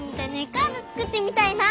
カードつくってみたいな。